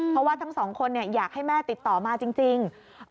เพราะว่าทั้งสองคนอยากให้แม่ติดต่อมาจริง